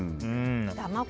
だまこ